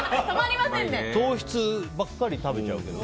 糖質ばっかり食べちゃうけど。